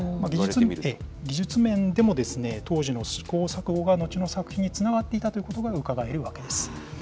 技術面でも、当時の試行錯誤が後の作品につながっていたということがうかがえるわけです。